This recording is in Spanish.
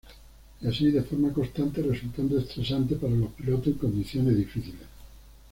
Y así de forma constante, resultando estresante para los pilotos en condiciones difíciles.